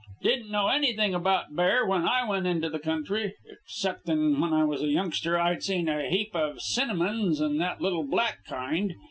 Didn't know anything about bear when I went into the country, exceptin' when I was a youngster I'd seen a heap of cinnamons and that little black kind.